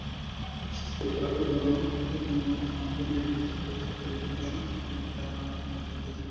যাঁরা পুরোনো সংস্করণের অ্যাপ্লিকেশন থেকে চ্যাট করছেন, তাঁরা নানা সমস্যায় পড়ছেন।